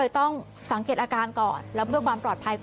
ต้องสังเกตอาการก่อนแล้วเพื่อความปลอดภัย